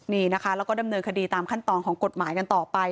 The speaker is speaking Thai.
นี่นะคะแล้วก็ดำเนินคดีตามขั้นตอนของกฎหมายกันต่อไป